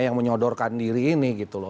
yang menyodorkan diri ini gitu loh